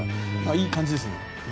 いい感じですね。